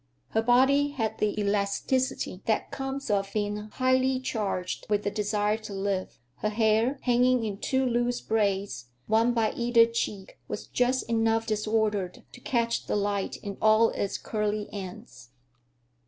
Her body had the elasticity that comes of being highly charged with the desire to live. Her hair, hanging in two loose braids, one by either cheek, was just enough disordered to catch the light in all its curly ends.